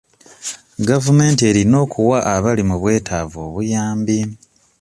Gavumenti erina okuwa abali mu bwetaavu obuyambi.